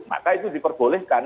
maka itu diperbolehkan